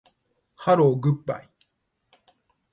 ハローグッバイ